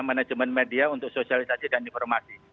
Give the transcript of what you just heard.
manajemen media untuk sosialisasi dan informasi